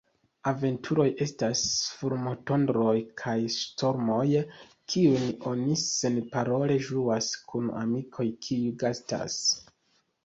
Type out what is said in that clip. Aventuroj estas fulmotondroj kaj ŝtormoj, kiujn oni senparole ĝuas kun amikoj, kiuj gastas.